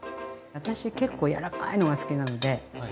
私結構柔らかいのが好きなので。